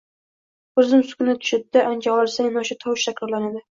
Bir zum sukunat tushdi-da, ancha olisdan yana o‘sha tovush takrorlandi.